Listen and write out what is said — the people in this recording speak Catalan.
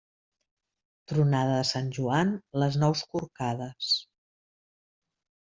Tronada de Sant Joan, les nous corcades.